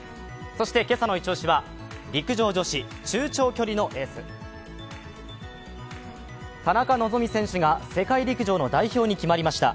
そして今朝のイチ押しは陸上女子中長距離のエース、田中希実選手が世界陸上の代表に決まりました。